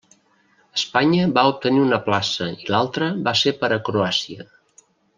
Espanya va obtenir una plaça i l'altra va ser para Croàcia.